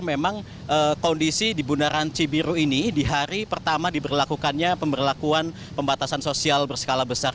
memang kondisi di bundaran cibiru ini di hari pertama diberlakukannya pemberlakuan pembatasan sosial berskala besar